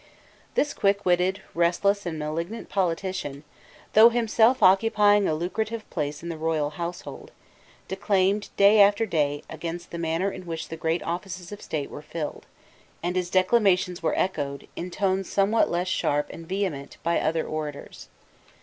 This quickwitted, restless and malignant politician, though himself occupying a lucrative place in the royal household, declaimed, day after day, against the manner in which the great offices of state were filled; and his declamations were echoed, in tones somewhat less sharp and vehement, by other orators.